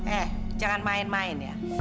eh jangan main main ya